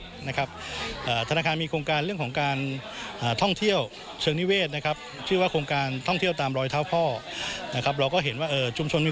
ธนาคารมีโครงการเรื่องของการท่องเที่ยวเชิงนิเวท